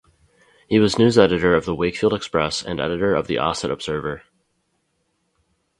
He was news editor of the "Wakefield Express" and editor of the "Ossett Observer".